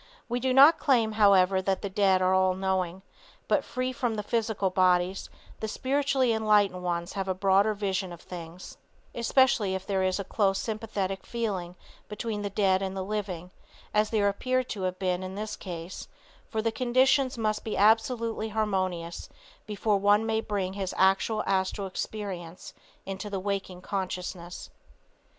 We do not claim, however, that the dead are all knowing; but free from the physical bodies, the spiritually enlightened ones have a broader vision of things, especially if there is a close sympathetic feeling between the dead and the living, as there appeared to have been in this case, for the conditions must be absolutely harmonious before one may bring his actual astral experience into the waking consciousness.